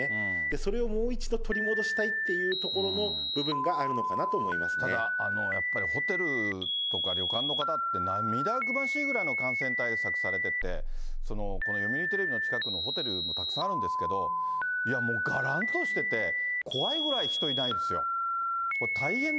それをもう一度取り戻したいというところの部分があるのかなと思ただ、やっぱりホテルとか、旅館の方って、涙ぐましいぐらいの感染対策されてて、この読売テレビの近くのホテルもたくさんあるんですけど、いやもう、がらんとしてて、怖いぐらい人いないですよ。